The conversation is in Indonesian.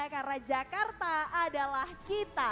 karena jakarta adalah kita